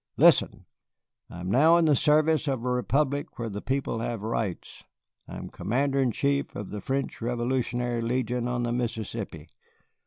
Listen! I am now in the service of a republic where the people have rights, I am Commander in chief of the French Revolutionary Legion on the Mississippi.